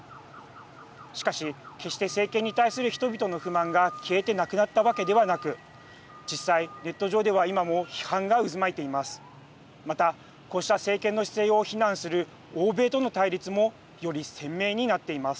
しかし、決して政権に対する人々の不満が消えてなくなったわけではなく実際、ネット上では今も批判が渦巻いています。